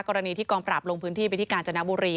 กรณีที่กองปราบลงพื้นที่ไปที่กาญจนบุรี